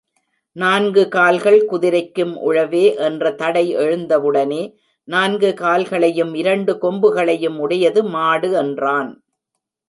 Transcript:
நான்கு கால்கள் குதிரைக்கும் உளவே என்ற தடை எழுந்தவுடனே, நான்கு கால்களையும் இரண்டு கொம்புகளையும் உடையது மாடு என்றான்.